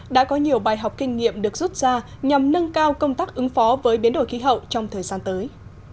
đã có nhiều bài học kinh nghiệm được rút ra nhằm nâng cao công tác ứng phó với biến đổi khí hậu trong thời gian tới